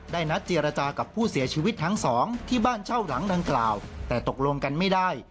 นัดเจรจากับผู้เสียชีวิตทั้งสองที่บ้านเช่าหลังดังกล่าวแต่ตกลงกันไม่ได้